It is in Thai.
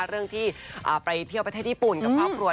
เรื่องที่ไปเที่ยวประเทศญี่ปุ่นกับครอบครัว